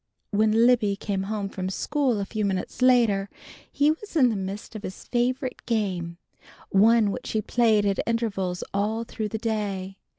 When Libby came home from school a few minutes later, he was in the midst of his favorite game, one which he played at intervals all through the day.